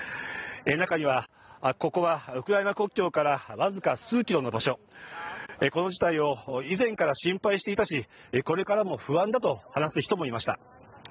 中には、ここはウクライナ国境から僅か数キロの場所、この事態を以前から心配していたし、これからも不安だと話す人もいました。